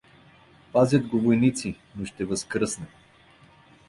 Пазят го войници. Но ще възкръсне.